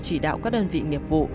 chỉ đạo các đơn vị nghiệp vụ